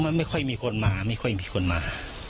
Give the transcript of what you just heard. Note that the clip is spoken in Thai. มันไม่ค่อยมีคนมาไม่ค่อยมีคนมา